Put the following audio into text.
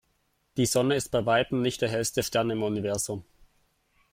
Die Sonne ist bei Weitem nicht der hellste Stern im Universum.